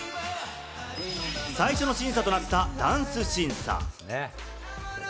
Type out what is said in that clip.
最初の審査となったダンス審査。